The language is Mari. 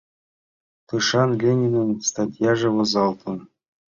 Тышан Ленинын статьяже возалтын.